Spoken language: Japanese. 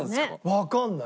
わかんない。